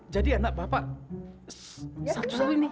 jadi anak bapak satu satu ini